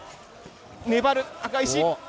粘る赤石。